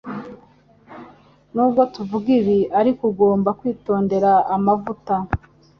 N'ubwo tuvuga ibi ariko ugomba kwitondera amavuta